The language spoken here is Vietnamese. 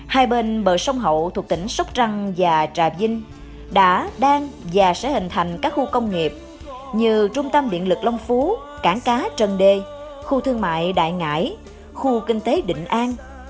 hai bên bờ sông hậu thuộc tỉnh sóc trăng và trà vinh đã đang và sẽ hình thành các khu công nghiệp như trung tâm điện lực long phú cảng cá trần đê khu thương mại đại ngãi khu kinh tế định an